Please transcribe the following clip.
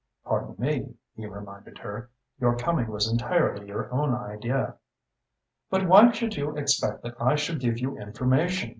"Pardon me," he reminded her, "your coming was entirely your own idea." "But why should you expect that I should give you information?"